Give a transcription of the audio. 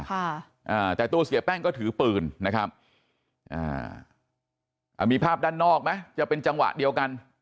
อ่าแต่ตัวเสียแป้งก็ถือปืนนะครับอ่าอ่ามีภาพด้านนอกไหมจะเป็นจังหวะเดียวกัน